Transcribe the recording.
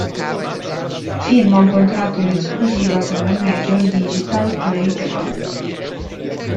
Firma un contratto in esclusiva con la major Digital Playground.